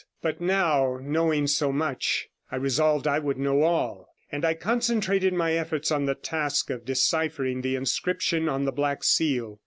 But now, knowing so much, I resolved I would know all, and I concentrated my efforts on the task of deciphering the inscription on the Black Seal.